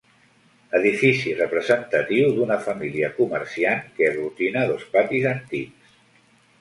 Edifici representatiu d'una família comerciant, que aglutina dos patis antics.